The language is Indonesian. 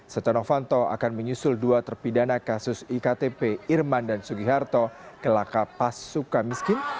setenov anto akan menyusul dua terpidana kasus iktp irman dan sugiharto gelaka pas suka miskin